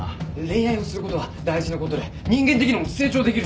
恋愛をすることは大事なことで人間的にも成長できるし。